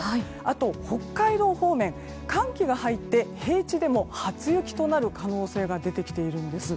あと、北海道方面寒気が入って平地でも初雪となる可能性が出てきています。